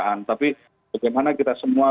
tapi bagaimana kita semua